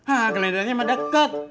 hah klendernya mah deket